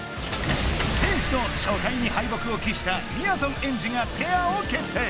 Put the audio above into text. せいじと初回に敗北をきっしたみやぞんエンジがペアをけっせい。